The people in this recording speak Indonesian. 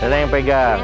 rena yang pegang